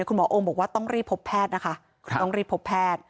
คุณหมอโอมบอกว่าต้องรีบพบแพทย์นะคะ